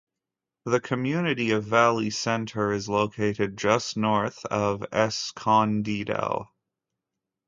The community of Valley Center is located just north of Escondido.